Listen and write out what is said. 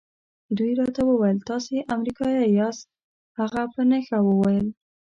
دوی راته وویل تاسي امریکایی یاست. هغه په نښه وویل.